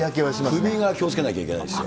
海が気をつけなきゃいけないですよ。